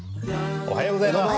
おはようございます。